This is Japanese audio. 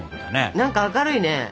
何か明るいね。